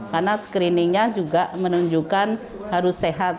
karena screeningnya juga menunjukkan harus sehat